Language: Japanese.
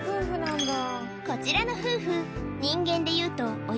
こちらの夫婦